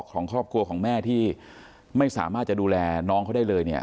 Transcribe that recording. ของครอบครัวของแม่ที่ไม่สามารถจะดูแลน้องเขาได้เลยเนี่ย